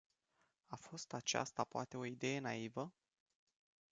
A fost aceasta poate o idee naivă?